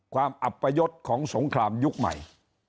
อัปยศของสงครามยุคใหม่